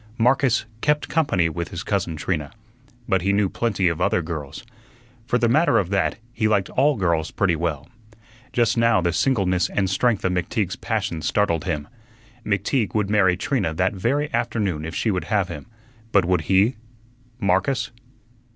Marcus "kept company" with his cousin Trina, but he knew plenty of other girls. For the matter of that, he liked all girls pretty well. Just now the singleness and strength of McTeague's passion startled him. McTeague would marry Trina that very afternoon if she would have him; but would he Marcus?